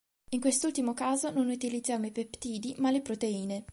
In quest'ultimo caso non utilizziamo i peptidi ma le proteine.